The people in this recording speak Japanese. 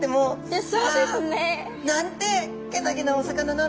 そうですね。なんてよし！